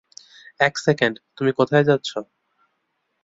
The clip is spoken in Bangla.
এক সেকেন্ড, তুমি কোথায় যাচ্ছ?